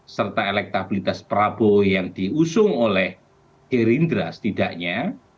serta elektabilitas prabowo yang diusung oleh gerindra setidaknya